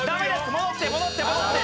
戻って戻って戻って！